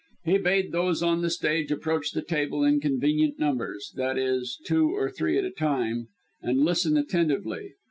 He bade those on the stage approach the table in convenient numbers, i.e. two or three at a time, and listen attentively.